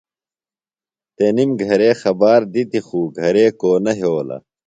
تنِم گہرےۡ خبار دِتیۡ خو گہرےۡ کو نہ یھولہ۔